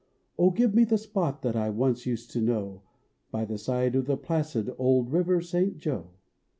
Oh, give me the spot that I once used to know Uv the side of the placid old River St. Joe